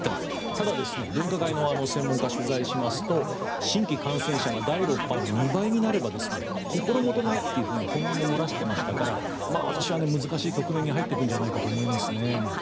ただ、分科会の専門家を取材しますと新規感染者が第６波の２倍になれば心もとないというふうに本音も漏らしていましたから私は難しい局面に入っていくんじゃないかと思いますね。